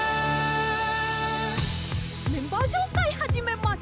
「メンバーしょうかいはじめます！